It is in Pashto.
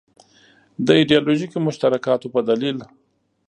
د ایدیالوژیکو مشترکاتو په دلیل.